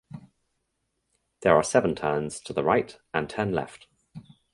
There are seven turns to the right and ten left.